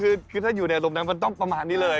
คือถ้าอยู่ในลมนั้นมันต้องประมาณนี้เลย